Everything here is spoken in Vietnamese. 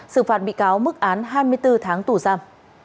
xử phạt bị cáo mức án hai mươi bốn tháng tù giam